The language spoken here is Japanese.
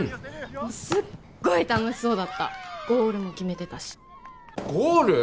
もうすっごい楽しそうだったゴールも決めてたしゴール！？